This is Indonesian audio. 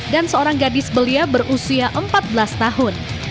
dan seorang gadis belia berusia empat belas tahun